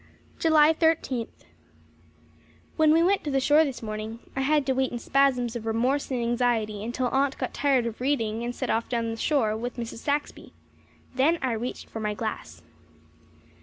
July Thirteenth. When we went to the shore this morning I had to wait in spasms of remorse and anxiety until Aunt got tired of reading and set off along the shore with Mrs. Saxby. Then I reached for my glass.